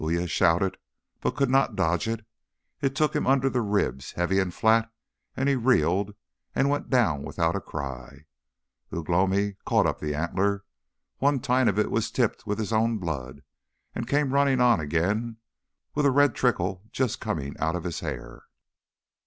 Uya shouted, but could not dodge it. It took him under the ribs, heavy and flat, and he reeled and went down without a cry. Ugh lomi caught up the antler one tine of it was tipped with his own blood and came running on again with a red trickle just coming out of his hair.